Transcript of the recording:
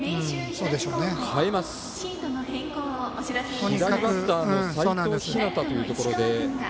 左バッターの齋藤陽というところで。